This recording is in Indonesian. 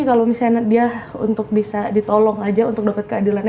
kalau misalnya dia untuk bisa ditolong aja untuk dapat keadilannya